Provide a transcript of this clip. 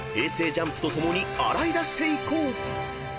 ＪＵＭＰと共に洗い出していこう！］